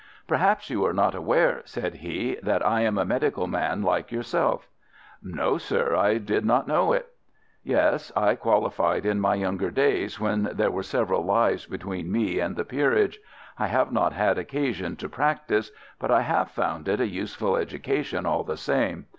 "Perhaps you are not aware," said he, "that I am a medical man like yourself?" "No, sir, I did not know it." "Yes, I qualified in my younger days, when there were several lives between me and the peerage. I have not had occasion to practise, but I have found it a useful education, all the same.